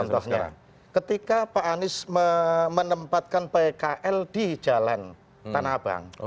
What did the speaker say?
contohnya ketika pak anies menempatkan pkl di jalan tanah abang